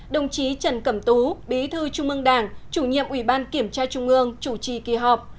đồng chí trần cẩm tú bí thư trung ương đảng chủ nhiệm ubkc chủ trì kỳ họp